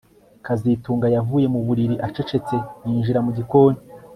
kazitunga yavuye mu buriri acecetse yinjira mu gikoni